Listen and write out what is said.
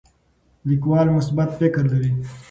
لیکوال مثبت فکر لري.